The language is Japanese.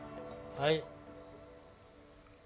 はい。